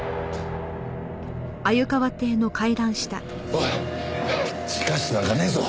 おい地下室なんかねえぞ。